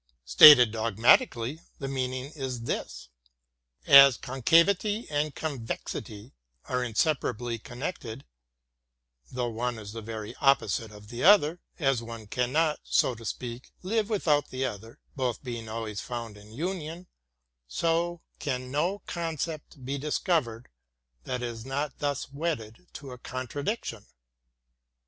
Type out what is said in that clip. Stated dogmati cally the meaning is this : As concavity and convexity are inseparably connected, though one is the very opposite of the other — as one cannot, so to speak, live without the other, both being always found in union — so can no con cept be discovered that is not thus wedded to its contradic tion.